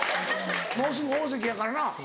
もうすぐ大関やからな。